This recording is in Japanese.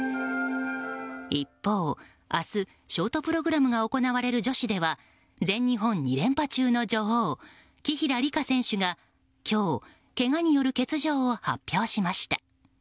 一方、明日ショートプログラムが行われる女子では全日本２連覇中の女王紀平梨花選手が今日、けがによる欠場を発表しました。